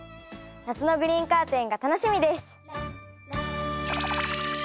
夏のグリーンカーテンが楽しみです！